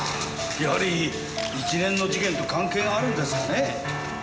やはり一連の事件と関係があるんですかね？